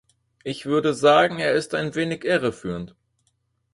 Ich würde sagen, er ist ein wenig irreführend.